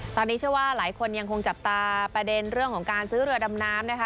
ตอนนี้เชื่อว่าหลายคนยังคงจับตาประเด็นเรื่องของการซื้อเรือดำน้ำนะคะ